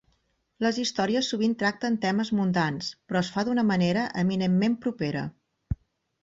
Les històries sovint tracten temes mundans, però es fa d'una manera eminentment propera.